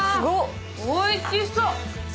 おいしそう！